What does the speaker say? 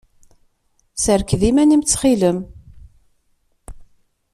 Serked iman-im, ttxil-m.